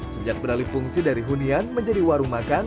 sejak beralih fungsi dari hunian menjadi warung makan